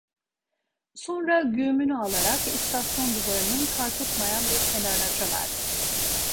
Sonra güğümünü alarak istasyon duvarının kar tutmayan bir kenarına çömeldi.